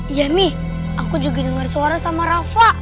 iya mi aku juga denger suara sama rafa